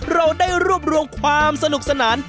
เราได้รวบรวมความสนุกสนาน